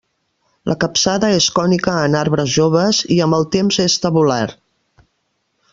La capçada és cònica en arbres joves i amb el temps és tabular.